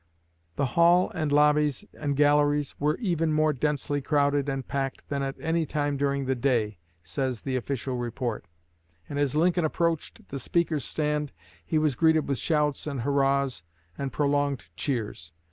"The hall and lobbies and galleries were even more densely crowded and packed than at any time during the day," says the official report; and as Lincoln "approached the speaker's stand, he was greeted with shouts and hurrahs, and prolonged cheers."